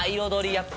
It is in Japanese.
やっぱ。